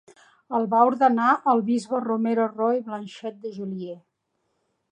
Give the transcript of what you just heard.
El va ordenar el bisbe Romeo Roy Blanchette de Joliet.